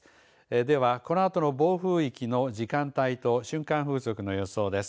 ではこのあとの暴風域の時間帯と瞬間風速の予想です。